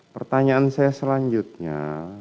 pertanyaan saya selanjutnya